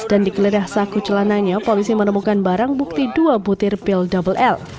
dan dikelirah saku celananya polisi menemukan barang bukti dua butir pil double l